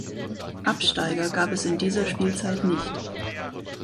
Absteiger gab es in dieser Spielzeit nicht.